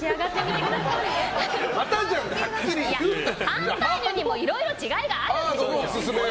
カンパーニュにもいろいろ違いがあるんです！